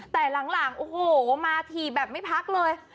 แต่หลังโอ้โหมาถี่แบบไม่พักเลย